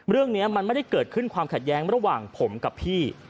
เรื่องนี้มันไม่ได้เกิดขึ้นความขัดแย้งระหว่างผมกับพี่